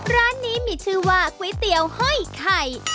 ร้านนี้มีชื่อว่าก๋วยเตี๋ยวห้อยไข่